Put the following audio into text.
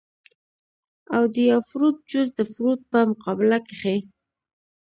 او د يو فروټ جوس د فروټ پۀ مقابله کښې